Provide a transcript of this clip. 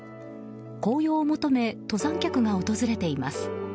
紅葉を求め登山客が訪れています。